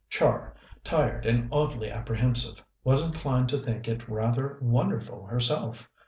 Char, tired and oddly apprehensive, was inclined to think it rather wonderful herself.